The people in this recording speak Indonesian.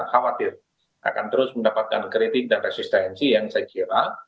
khawatir akan terus mendapatkan kritik dan resistensi yang saya kira